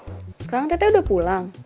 sekarang tete udah pulang